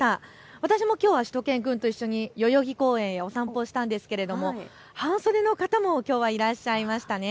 私もきょうはしゅと犬くんと一緒に代々木公園を散歩したんですが、半袖の方もきょうはいらっしゃいました。